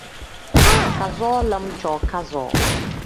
Kazoo lam cooo kazoo.